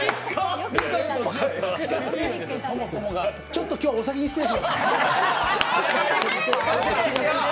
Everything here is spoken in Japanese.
ちょっと今日はお先に失礼します。